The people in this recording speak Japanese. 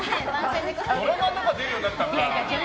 ドラマとか出るようになったんだ。